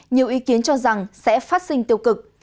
nhiều ý kiến cho rằng sẽ phát sinh tiêu cực